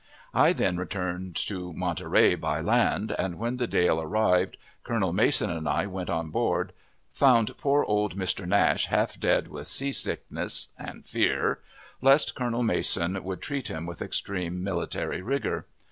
I then returned to Monterey by land, and, when the Dale arrived, Colonel Mason and I went on board, found poor old Mr. Nash half dead with sea sickness and fear, lest Colonel Mason would treat him with extreme military rigor.